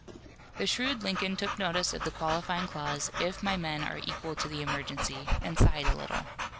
The shrewd Lincoln took notice of the qualifying clause, "if my men are equal to the emergency," and sighed a little.